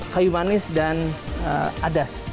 kayu manis dan adas